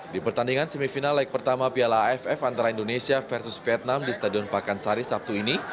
di pertandingan semifinal leg pertama piala aff antara indonesia versus vietnam di stadion pakansari sabtu ini